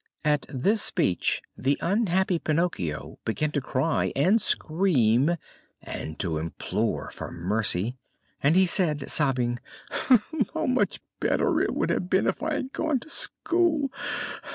At this speech the unhappy Pinocchio began to cry and scream and to implore for mercy, and he said, sobbing: "How much better it would have been if I had gone to school!